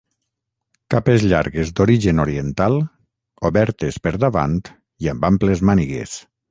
Capes llargues d'origen oriental, obertes per davant i amb amples mànigues.